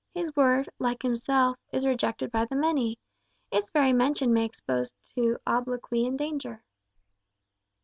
His Word, like himself, is rejected by the many. Its very mention may expose to obloquy and danger."